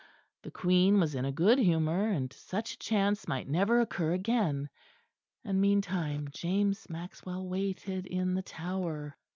The Queen was in a good humour, and such a chance might never occur again; and meantime James Maxwell waited in the Tower.